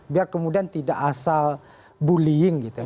biar kemudian tidak asal bullying gitu ya